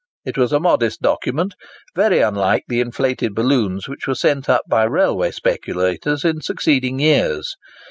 It was a modest document, very unlike the inflated balloons which were sent up by railway speculators in succeeding years.